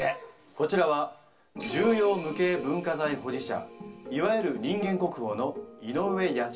こちらは重要無形文化財保持者いわゆる人間国宝の井上八千代でございます。